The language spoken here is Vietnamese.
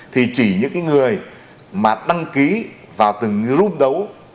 thì chỉ những người mà đăng ký vào từng group đấu